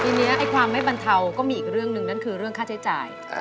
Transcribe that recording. ทีนี้ความไม่บรรเทาก็มีอีกเรื่องหนึ่งนั่นคือเรื่องค่าใช้จ่าย